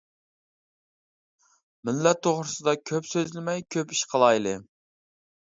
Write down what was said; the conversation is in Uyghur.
مىللەت توغرىسىدا كۆپ سۆزلىمەي، كۆپ ئىش قىلايلى!